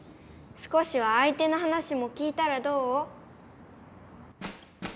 少しは相手の話も聞いたらどう？